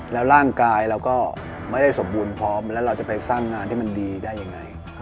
แล้วร่างกายเราก็ไม่ได้สมบูรณ์พร้อมแล้วเราจะไปสร้างงานที่มันดีได้ยังไง